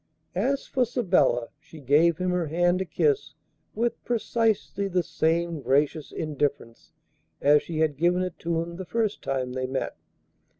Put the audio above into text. As for Sabella, she gave him her hand to kiss with precisely the same gracious indifference as she had given it to him the first time they met.